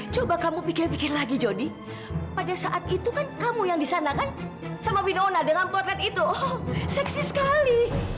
coba kamu pikir pikir lagi jody pada saat itu kan kamu yang di sana kan sama binona dengan potret itu oh seksi sekali